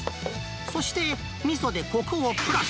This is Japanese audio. そして、みそでこくをプラス。